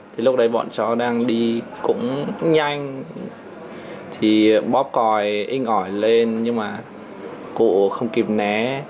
thì lúc đấy bọn cháu đang đi cũng nhanh thì bóp còi inh ỏi lên nhưng mà cụ không kịp né